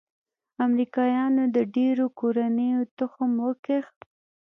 امریکايانو د ډېرو کورنيو تخم وکيښ.